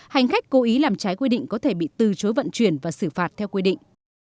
hành khách cố ý làm trái quy định có thể bị từ chối vận chuyển và xử phạt theo quy định